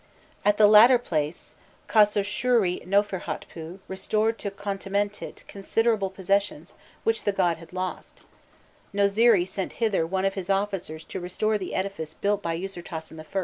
At the latter place, Khâsoshûshrî Nofirhotpû restored to Khontamentit considerable possessions which the god had lost; Nozirri sent thither one of his officers to restore the edifice built by Usirtasen I.